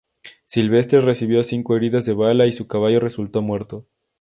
Silvestre recibió cinco heridas de bala y su caballo resultó muerto.